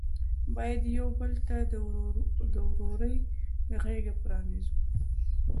باید یو بل ته د ورورۍ غېږه پرانیزو په پښتو ژبه.